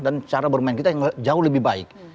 dan cara bermain kita jauh lebih baik